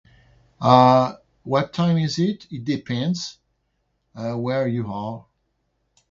ah, what time is it, it depends where you are